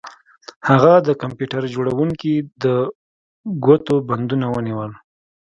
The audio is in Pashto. هغه د کمپیوټر جوړونکي د ګوتو بندونه ونیول